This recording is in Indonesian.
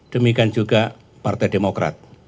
demikian juga partai demokrat